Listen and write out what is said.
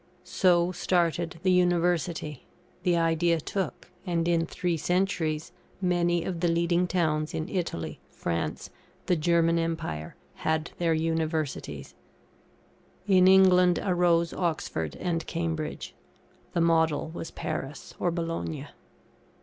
So started the University. The idea took; and in three centuries, many of the leading towns in Italy, France, the German Empire, had their Universities; in England arose Oxford and Cambridge; the model was Paris or Bologna.